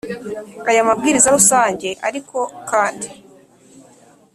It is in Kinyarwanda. aya mabwiriza rusange Ariko kandi